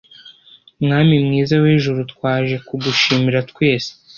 Mwami mwiza w’ijuru twaje kugushima twese